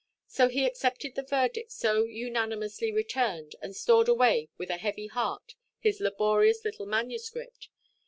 So he accepted the verdict so unanimously returned, and stored away with a heavy heart his laborious little manuscript.